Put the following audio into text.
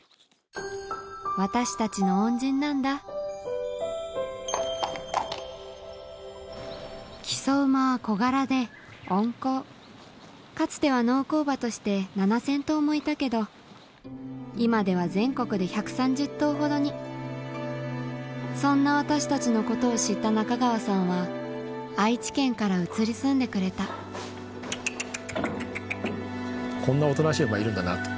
私たちの恩人なんだ木曽馬は小柄で温厚かつては農耕馬として７０００頭もいたけど今では全国で１３０頭ほどにそんな私たちのことを知った中川さんは愛知県から移り住んでくれたこんなおとなしい馬いるんだなと。